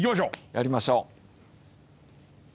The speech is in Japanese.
やりましょう。